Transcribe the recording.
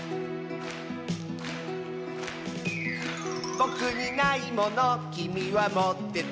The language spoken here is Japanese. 「ぼくにないものきみはもってて」